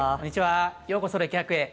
ようこそ歴博へ。